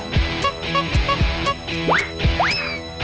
ที่สุดยอด